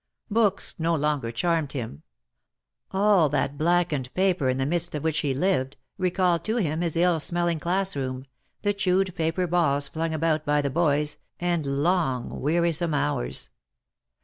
Books no longer charmed him ; all that blackened paper in the midst of which he lived, recalled to him his ill smelling class room, the chewed paper balls flung about by the boys, and long, weari some hours.